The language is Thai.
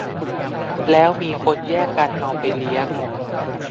แล้วมีคนแยกกันเอาไปเลี้ยง